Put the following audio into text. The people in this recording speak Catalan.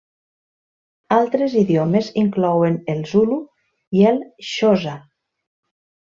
Altres idiomes inclouen el zulu i el xosa.